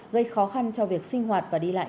gây khó khăn cho việc sinh hoạt và đi lại